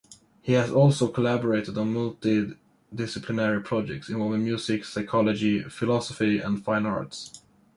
He has also collaborated on multi-disciplinary projects involving music, psychology, philosophy, and fine arts.